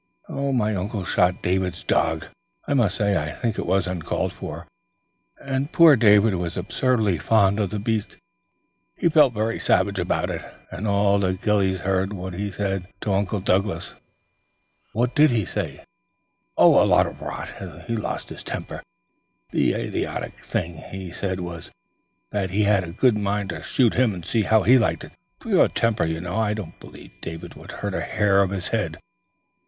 My uncle shot David's dog; I must say I think it was uncalled for, and poor David was absurdly fond of the beast. He felt very savage about it, and all the ghillies heard what he said to Uncle Douglas." "What did he say?" "Oh, a lot of rot. He lost his temper. The idiotic thing he said was, that he'd a good mind to shoot him and see how he liked it. Pure temper, you know. I don't believe David would hurt a hair of his head."